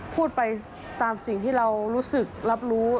พูดไปตามสิ่งที่เรารู้สึกรับรู้